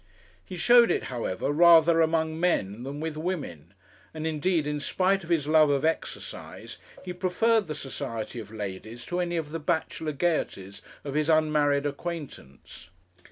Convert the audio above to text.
He showed it, however, rather among men than with women, and, indeed, in spite of his love of exercise, he preferred the society of ladies to any of the bachelor gaieties of his unmarried acquaintance.